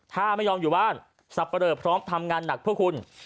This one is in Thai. ถ้าไม่ยอมอยู่บ้านสับปะเลอพร้อมทำงานหนักเพื่อคุณ